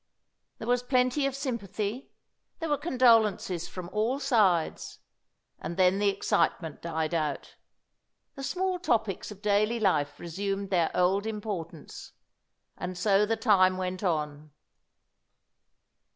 There was plenty of sympathy; there were condolences from all sides. And then the excitement died out; the small topics of daily life resumed their old importance. And so the time went on.